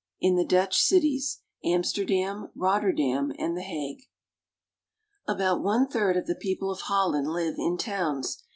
IN THE DUTCH CITIES — AMSTERDAM, ROTTERDAM, AND THE HAGUE. ABOUT one third of the people of Holland live in towns.